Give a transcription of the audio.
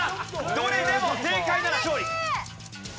どれでも正解なら勝利。